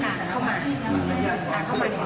ก็เราก็เลยเดินออกมาช่วยเขาเลือก